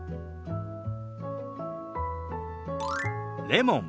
「レモン」。